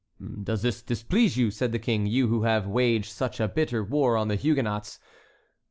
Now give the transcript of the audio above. "Does this displease you," said the King, "you who have waged such a bitter war on the Huguenots?"